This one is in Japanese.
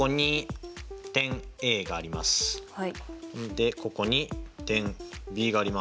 でここに点Ｂがあります。